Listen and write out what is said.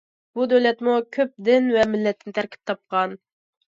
بۇ دۆلەتمۇ كۆپ دىن ۋە مىللەتتىن تەركىب تاپقان.